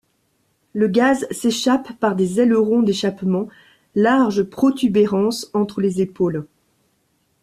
Le gaz s'échappe par des ailerons d'échappement, large protubérance entre les épaules.